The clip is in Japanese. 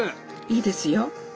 いいですよ。